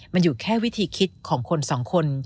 มันอยู่แค่วิธีคิดของคนสองคน